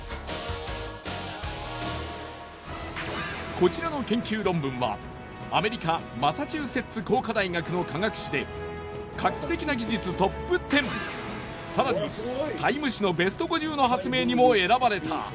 こちらの研究論文はアメリカ・マサチューセッツ工科大学の科学誌で「画期的な技術トップ１０」更に「ＴＩＭＥ」誌の「ベスト５０の発明」にも選ばれた。